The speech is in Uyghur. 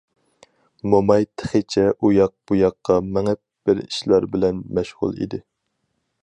موماي تېخىچە ئۇياق- بۇياققا مېڭىپ بىر ئىشلار بىلەن مەشغۇل ئىدى.